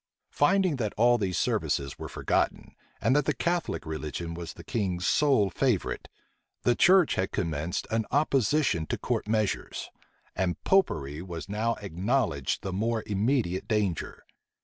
Finding that all these services were forgotten, and that the Catholic religion was the king's sole favorite, the church had commenced an opposition to court measures; and Popery was now acknowledged the more immediate danger.